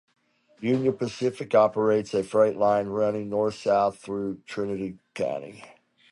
Union Pacific operates a freight line running north-south through Trinity County.